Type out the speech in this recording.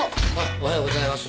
おはようございます。